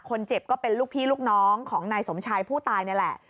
ก็เป็นลูกพี่ลูกน้องของนายสมชายผู้ตายนี่แหละ